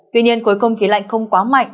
tuy nhiên cuối không khí lạnh không quá mạnh